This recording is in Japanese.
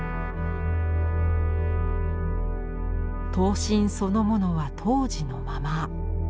刀身そのものは当時のまま。